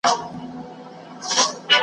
دا ميوند ميوند دښتونه .